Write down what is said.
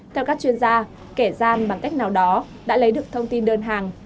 theo các chuyên gia kẻ gian bằng cách nào đó đã lấy được thông tin đơn hàng